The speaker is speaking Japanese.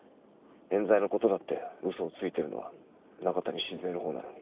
冤罪の事だって嘘をついてるのは中谷静江のほうなのに。